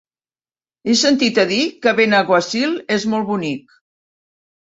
He sentit a dir que Benaguasil és molt bonic.